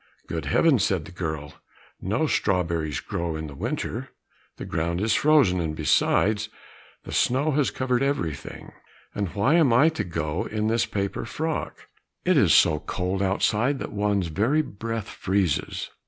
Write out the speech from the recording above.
"Good heavens!" said the girl, "no strawberries grow in winter! The ground is frozen, and besides the snow has covered everything. And why am I to go in this paper frock? It is so cold outside that one's very breath freezes!